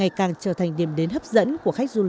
anh có thể nói thêm gì về văn hóa văn hóa